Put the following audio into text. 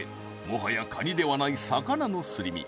もはやカニではない魚のすり身